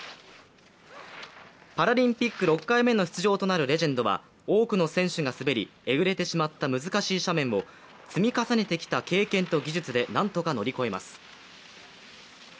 パラリンピック６回目の出場となるレジェンドは、多くの選手が滑り、えぐれてしまった難しい斜面を積み重ねてきた経験と技術で何とか乗り越えます。